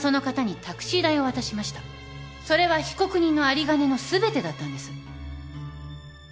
それは被告人の有り金の全てだったんです。